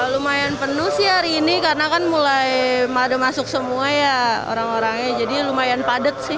lumayan penuh sih hari ini karena kan mulai ada masuk semua ya orang orangnya jadi lumayan padat sih